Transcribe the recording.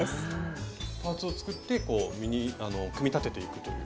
パーツを作って組み立てていくという。